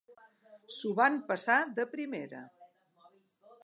S'ho van passar de primera